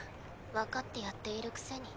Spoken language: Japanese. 分かってやっているくせに。